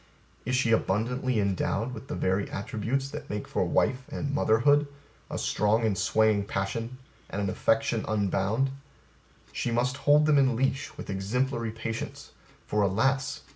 Is she abundantly endowed with the very attributes that make for wife and mother hood, a strong and swaying passion and an affection unbounded, she must hold them in leash with exemplary patience; for, alas!